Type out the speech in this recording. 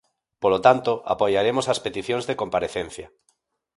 Polo tanto, apoiaremos as peticións de comparecencia.